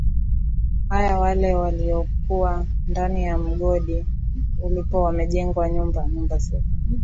haya wale waliokuwa ndani ya mgodi ulipo wamejengewa nyumba nyumba zile